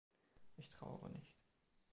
Ich trauere nicht.